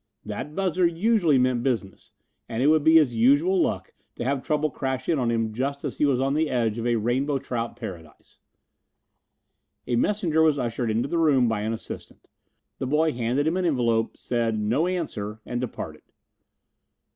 That buzzer usually meant business, and it would be his usual luck to have trouble crash in on him just as he was on the edge of a rainbow trout paradise. A messenger was ushered into the room by an assistant. The boy handed him an envelope, said, "No answer," and departed.